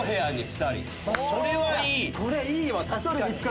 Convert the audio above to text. それはいい。